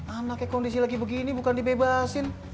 anaknya kondisi lagi begini bukan dibebasin